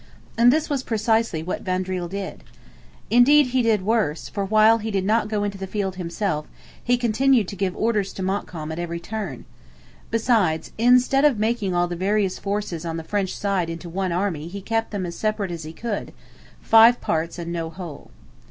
And this was precisely what Vaudreuil did. Indeed, he did worse, for, while he did not go into the field himself, he continued to give orders to Montcalm at every turn. Besides, instead of making all the various forces on the French side into one army he kept them as separate as he could five parts and no whole.